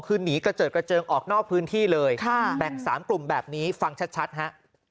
คือหนีกระเจิดกระเจิงออกนอกพื้นที่เลยแบ่ง๓กลุ่มแบบนี้ฟังชัดฮะ